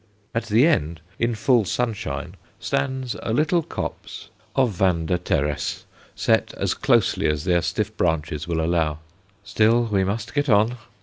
At the end, in full sunshine, stands a little copse of Vanda teres, set as closely as their stiff branches will allow. Still we must get on.